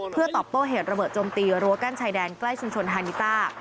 เพื่อตอบโต้เหตุระเบิดจมตีรั้วกั้นชายแดนใกล้ชุมชนฮานิต้า